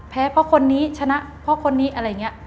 เพราะคนนี้ชนะเพราะคนนี้อะไรอย่างนี้